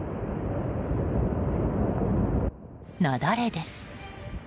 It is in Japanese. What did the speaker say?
雪崩です。